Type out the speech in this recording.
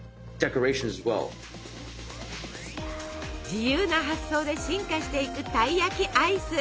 自由な発想で進化していくたい焼きアイス。